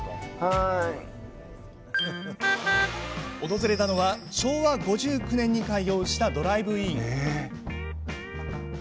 訪れたのは、昭和５９年に開業したドライブイン。